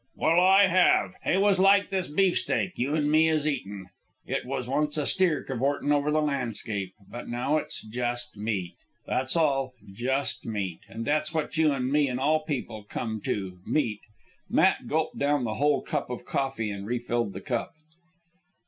"Well, I have. He was like this beefsteak you an' me is eatin'. It was once steer cavortin' over the landscape. But now it's just meat. That's all, just meat. An' that's what you an' me an' all people come to meat." Matt gulped down the whole cup of coffee, and refilled the cup.